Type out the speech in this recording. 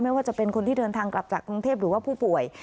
ว่าจะเป็นคนที่เดินทางกลับจากกรุงเทพหรือว่าผู้ป่วย